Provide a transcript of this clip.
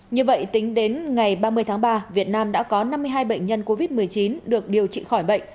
như vậy tính đến ngày ba mươi tháng ba việt nam đã có năm mươi hai bệnh nhân covid một mươi chín được điều trị khỏi bệnh